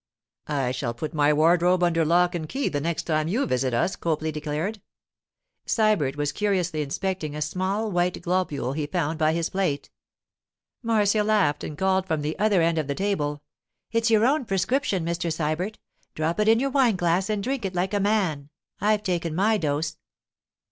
'I shall put my wardrobe under lock and key the next time you visit us,' Copley declared. Sybert was curiously inspecting a small white globule he found by his plate. Marcia laughed and called from the other end of the table: 'It's your own prescription, Mr. Sybert; drop it in your wine glass and drink it like a man. I've taken my dose.